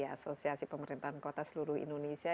asosiasi pemerintahan kota seluruh indonesia